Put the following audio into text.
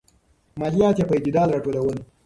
ماليات يې په اعتدال راټولول.